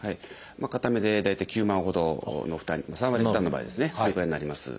片目で大体９万ほどの負担３割負担の場合それぐらいになります。